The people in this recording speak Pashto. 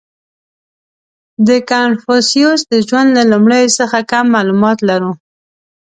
• د کنفوسیوس د ژوند له لومړیو څخه کم معلومات لرو.